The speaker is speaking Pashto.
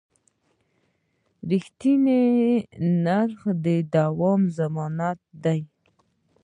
رښتیني نرخ د دوام ضمانت دی.